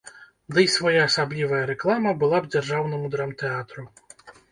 Ды і своеасаблівая рэклама была б дзяржаўнаму драмтэатру.